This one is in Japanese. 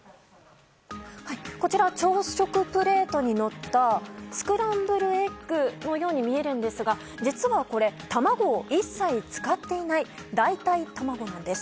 こちら、朝食プレートにのったスクランブルエッグのように見えるんですが実はこれ卵を一切使っていない代替卵なんです。